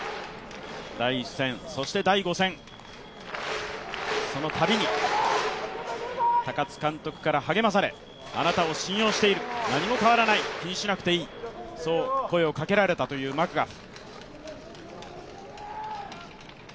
第１戦、そして第５戦、そのたびに、高津監督から励まされあなたを信用している、何も変わらない、気にしなくていいそう声をかけられたというマクガフ。